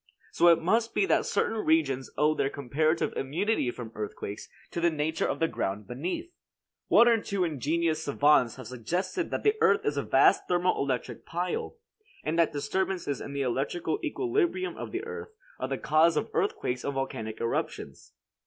So it must be that certain regions owe their comparative immunity from earthquakes to the nature of the ground beneath. One or two ingenious savants have suggested that the earth is a vast thermo electric pile, and that disturbances in the electrical equilibrium of the earth are the cause of earthquakes and volcanic eruptions.